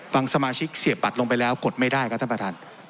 ฟังสมาชิกเสียบัตรลงไปแล้วกดไม่ได้ครับท่านประธาน